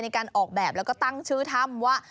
ในการออกแบบแล้วก็ตั้งชื่อถ้ำว่า